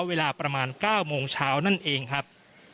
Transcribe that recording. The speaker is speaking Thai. เวลาประมาณ๙โมงเช้านั่นเองครับ